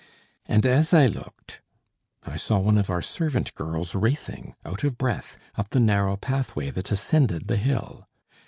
And as I looked, I saw one of our servant girls racing, out of breath, up the narrow pathway that ascended the hill.